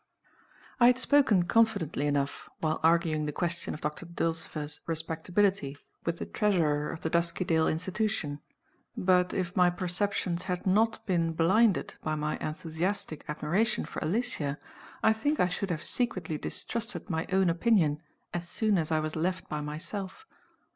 I HAD spoken confidently enough, while arguing the question of Doctor Dulcifer's respectability with the Treasurer of the D uskydale Institution; but, if my perceptions had not been blinded by my enthusiastic admiration for Alicia, I think I should have secretly distrusted my own opinion as soon as I was left by myself.